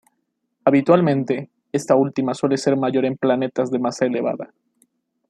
Habitualmente, esta última suele ser mayor en planetas de masa elevada.